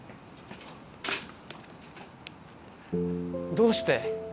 どうして？